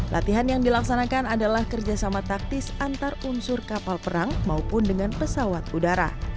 latihan yang dilaksanakan adalah kerjasama taktis antar unsur kapal perang maupun dengan pesawat udara